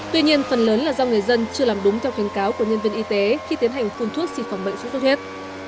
tuy nhiên phần lớn là do người dân chưa làm đúng theo khuyến cáo của nhân viên y tế khi tiến hành phun thuốc xịt phòng bệnh sốt xuất huyết